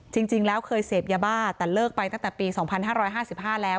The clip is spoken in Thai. จริงจริงแล้วเคยเสพยาบ้าแต่เลิกไปตั้งแต่ปีสองพันห้าร้อยห้าสิบห้าแล้ว